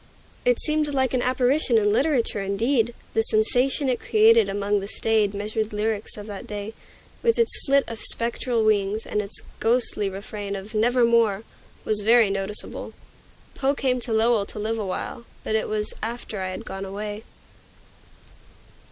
It seemed like an apparition in literature, indeed; the sensation it created among the staid, measured lyrics of that day, with its flit of spectral wings, and its ghostly refrain of "Nevermore!" was very noticeable. Poe came to Lowell to live awhile, but it was after I had gone away.